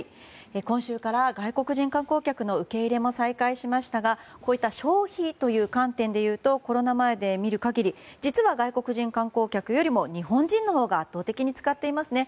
今週から外国人観光客の受け入れも再開しましたがこういった消費という観点でいうとコロナ前で見る限り実は外国人観光客より日本人のほうが圧倒的に使っていますね。